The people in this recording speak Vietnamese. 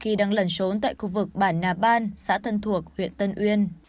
khi đang lẩn trốn tại khu vực bản nà ban xã thân thuộc huyện tân uyên